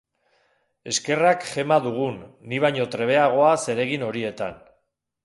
Eskerrak Gema dugun, ni baino trebeagoa zeregin horietan.